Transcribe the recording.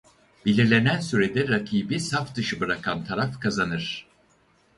Belirlenen sürede rakibi saf dışı bırakan taraf kazanır.